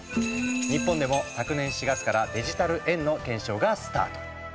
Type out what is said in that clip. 日本でも昨年４月からデジタル円の検証がスタート。